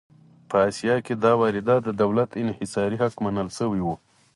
په اسیا کې دا واردات د دولت انحصاري حق منل شوي وو.